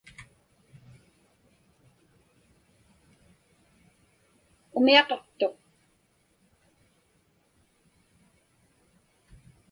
Umiaqaqtuq.